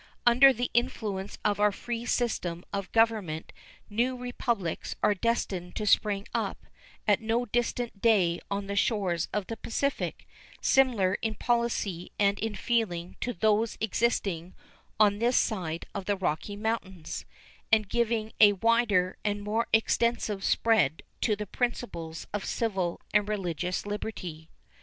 Under the influence of our free system of government new republics are destined to spring up at no distant day on the shores of the Pacific similar in policy and in feeling to those existing on this side of the Rocky Mountains, and giving a wider and more extensive spread to the principles of civil and religious liberty.